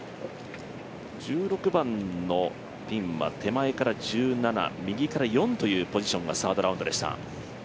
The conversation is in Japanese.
１６番のピンは手前から１７、右から４というポジションがサードラウンドでした。